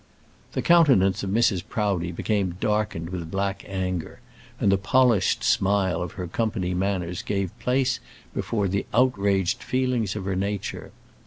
The countenance of Mrs. Proudie became darkened with black anger, and the polished smile of her company manners gave place before the outraged feelings of her nature.